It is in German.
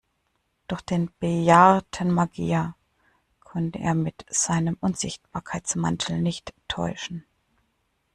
Doch den bejahrten Magier konnte er mit seinem Unsichtbarkeitsmantel nicht täuschen.